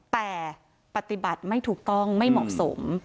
แต่ปฏิบัติไม่ถูกต้องไม่เหมาะสม